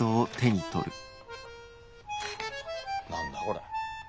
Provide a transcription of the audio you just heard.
何だこれ。